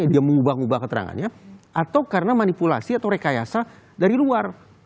dia mengubah ubah keterangannya atau karena manipulasi atau rekayasa dari luar